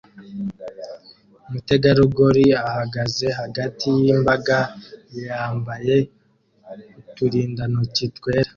Umutegarugori ahagaze hagati yimbaga yambaye uturindantoki twera